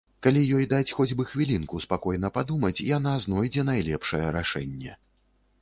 Калі ёй даць хоць бы хвілінку спакойна падумаць, яна знойдзе найлепшае рашэнне.